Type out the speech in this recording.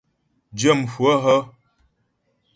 Dyə̂mhwə hə́ ?